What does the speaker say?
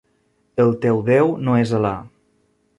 El teu déu no és Alà.